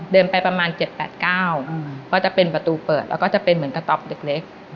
เดินไปประมาณเจ็ดแปดเก้าก็จะเป็นประตูเปิดแล้วก็จะเป็นเหมือนกระต๊อบเล็กเล็ก